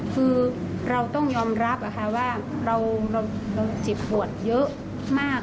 คือเราต้องยอมรับว่าเราเจ็บปวดเยอะมาก